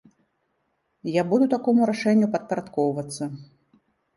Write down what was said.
Я буду такому рашэнню падпарадкоўвацца.